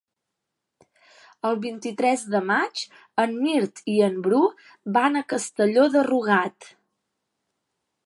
El vint-i-tres de maig en Mirt i en Bru van a Castelló de Rugat.